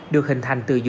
được hình thành từ dũ